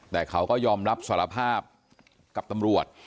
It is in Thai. แต่เขาก็ยอมรับสารภาพกับตำรวจ